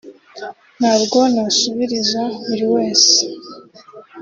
Ntabwo nasubiriza buri wese